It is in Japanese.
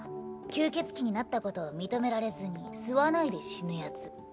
吸血鬼になったことを認められずに吸わないで死ぬやつ。